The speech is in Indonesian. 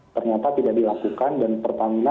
ternyata tidak dilakukan dan pertamina